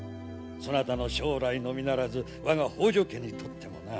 そなたの将来のみならず我が北条家にとってもな。